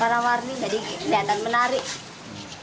warna warni jadi kelihatan menarik